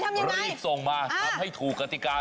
รีบส่งมาทำให้ถูกกติกา